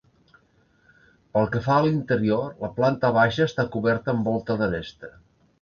Pel que fa a l'interior, la planta baixa està coberta amb volta d'aresta.